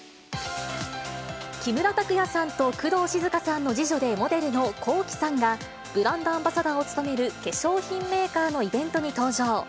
木村拓哉さんと工藤静香さんの次女でモデルのＫｏｋｉ，さんが、ブランドアンバサダーを務める化粧品メーカーのイベントに登場。